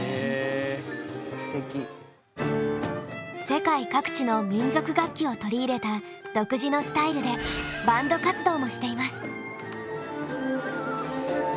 世界各地の民族楽器を取り入れた独自のスタイルでバンド活動もしています。